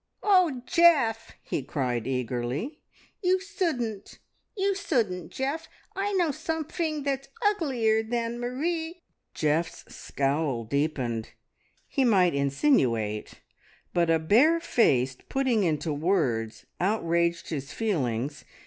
"Oh, Geoff!" he cried eagerly. "You souldn't! You souldn't, Geoff! I know somefing that's uglier than Marie " Geoff's scowl deepened. He might insinuate, but a barefaced putting into words outraged his feelings.